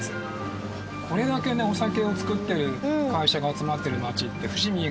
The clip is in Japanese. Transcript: これだけねお酒を造ってる会社が集まってる町って。